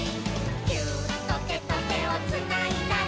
「ギューッとてとてをつないだら」